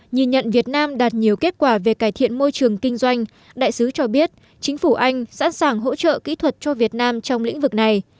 nhìn nhận việt nam đạt nhiều kết quả về cải thiện môi trường kinh doanh đại sứ cho biết chính phủ anh sẵn sàng hỗ trợ kỹ thuật cho việt nam trong lĩnh vực này